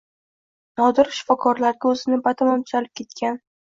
Nodir shifokorlarga o‘zini batamom tuzalib ketgan